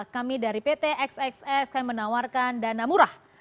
kami dari pt xxs kami menawarkan dana murah